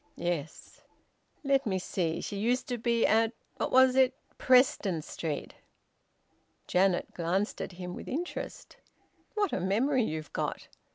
"Yes." "Let me see she used to be at what was it? Preston Street?" Janet glanced at him with interest: "What a memory you've got!